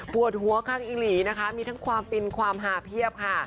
ปวดหัวข้างอีหลีนะคะมีทั้งความฟินความหาเพียบค่ะ